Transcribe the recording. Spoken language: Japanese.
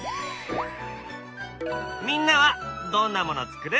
みんなはどんなもの作る？